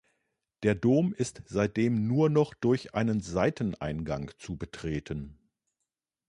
Der Dom ist seitdem nur noch durch einen Seiteneingang zu betreten.